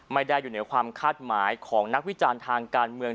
ไม่ได้อยู่เหนือความคาดหมายของนักวิจารณ์ทางการเมือง